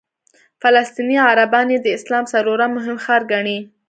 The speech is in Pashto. فلسطیني عربان یې د اسلام څلورم مهم ښار ګڼي.